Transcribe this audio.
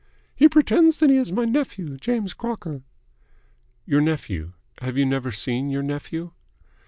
"He pretends that he is my nephew, James Crocker." "Your nephew? Have you never seen your nephew?"